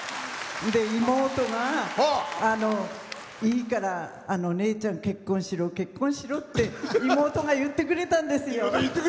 妹が、いいから姉ちゃん結婚しろ、結婚しろって妹が言ってくれたんですよ。